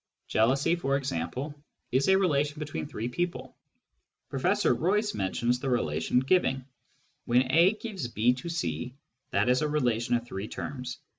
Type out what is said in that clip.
Jealousy, for example, is a relation between three people. Professor Royce mentions the relation " giving ": when A gives B to C, that is a relation of three terms.